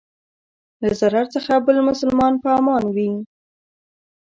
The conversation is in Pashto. له ضرر څخه بل مسلمان په امان وي.